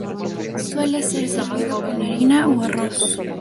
Suele ser servido con harina o arroz.